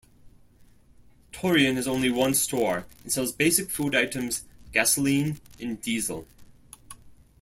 Torreon has only one store, and sells basic food items, gasoline, and diesel.